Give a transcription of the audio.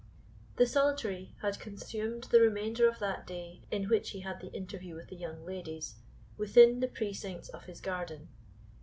The Solitary had consumed the remainder of that day in which he had the interview with the young ladies, within the precincts of his garden.